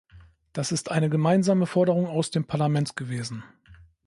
Das ist eine gemeinsame Forderung aus dem Parlament gewesen.